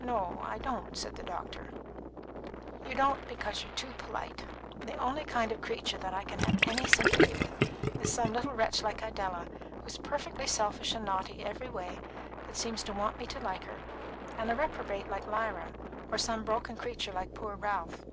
"No, I don't," said the doctor. "You don't, because you're too polite. The only kind of creature that I can have any sympathy with is some little wretch like Idella, who is perfectly selfish and naughty every way, but seems to want me to like her, and a reprobate like Lyra, or some broken creature like poor Ralph.